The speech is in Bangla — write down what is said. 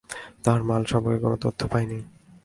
তার মাল সম্পর্কে কোনো তথ্য পাইনি।